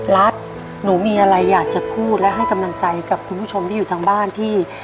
รัฐหนูมีอะไรอยากจะพูดและให้กำลังใจกับคุณผู้ชมที่อยู่ทางบ้านที่